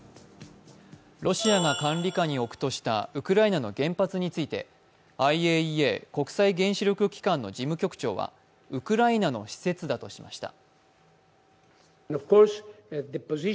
ロシアが管理下に置くとしたウクライナの原発についてＩＡＥＡ＝国際原子力機関の事務局長はウクライナの施設だとしました。